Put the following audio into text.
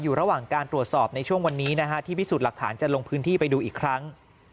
อยู่ระหว่างการตรวจสอบในช่วงวันนี้นะฮะที่พิสูจน์หลักฐานจะลงพื้นที่ไปดูอีกครั้ง